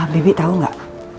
bebi tau nggak